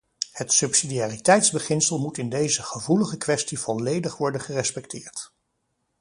Het subsidiariteitsbeginsel moet in deze gevoelige kwestie volledig worden gerespecteerd.